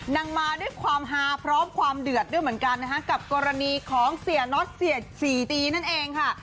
นางมาด้วยความฮาพร้อมความเดือดด้วยเหมือนกันนะฮะกับกรณีของเสียน็อตเสียสี่ตีนั่นเองค่ะ